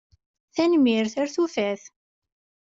Tanemmirt! Ar tufat!